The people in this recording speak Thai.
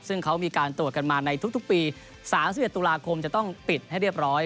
ซึ่งเขามีการตรวจกันมาในทุกปี๓๑ตุลาคมจะต้องปิดให้เรียบร้อย